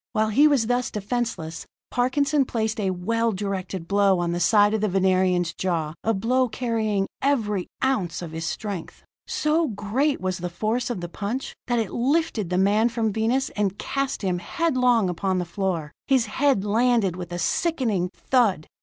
While he was thus defenseless, Parkinson placed a well directed blow on the side of the Venerian's jaw, a blow carrying every ounce of his strength. So great was the force of the punch, that it lifted the man from Venus and cast him headlong upon the floor. His head landed with a sickening thud.